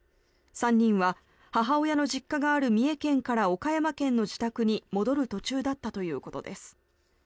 ３人は母親の実家がある三重県から岡山県の自宅に戻る途中だったということです。